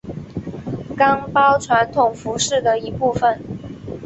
岗包传统服饰的一部分。